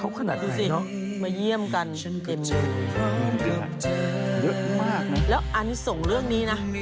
ร่วมเกียจร่วมเกียจมากนะแล้วอันนี้ส่งเรื่องนี้นะ